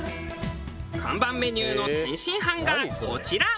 看板メニューの天津飯がこちら。